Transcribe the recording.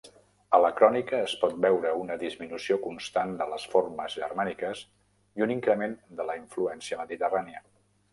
A la crònica es pot veure una disminució constant de les formes germàniques i un increment de la influència mediterrània.